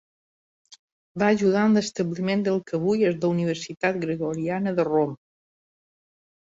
Va ajudar en l'establiment del que avui és la Universitat Gregoriana de Roma.